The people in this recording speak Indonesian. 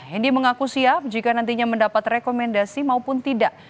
hendi mengaku siap jika nantinya mendapat rekomendasi maupun tidak